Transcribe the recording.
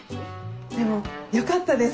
でもよかったです。